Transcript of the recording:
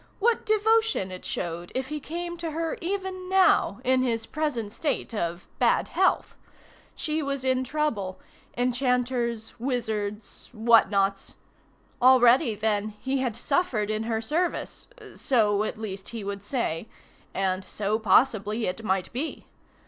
What devotion it showed if he came to her even now in his present state of bad health! She was in trouble: enchanters, wizards, what nots. Already, then, he had suffered in her service so at least he would say, and so possibly it might be.